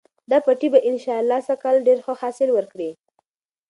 دا پټی به انشاالله سږکال ډېر ښه حاصل ورکړي.